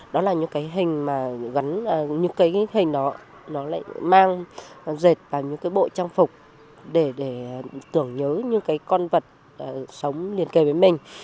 đó là những cái hình mà gắn những cái hình đó nó lại mang dệt vào những cái bộ trang phục để tưởng nhớ những cái con vật sống liền kề với mình